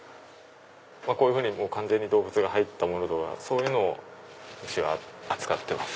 こういうふうに完全に動物が入ったものとかそういうのをうちは扱ってます。